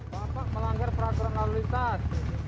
bapak melanggar peraturan lalu lintas